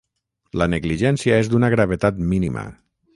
La negligència és d'una gravetat mínima.